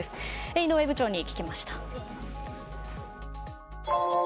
井上部長に聞きました。